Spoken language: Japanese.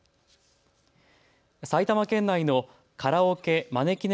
埼玉県内のカラオケまねきね